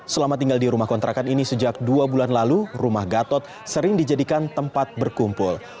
selama tinggal di rumah kontrakan ini sejak dua bulan lalu rumah gatot sering dijadikan tempat berkumpul